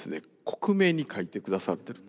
克明に書いて下さってる。